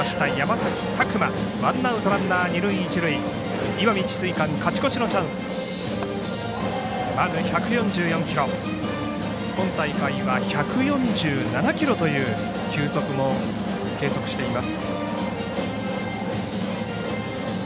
滝口、今大会は１４７キロという球速も計測しています。